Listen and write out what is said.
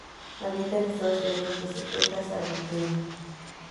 Habita en Estados Unidos, desde Texas a Virginia.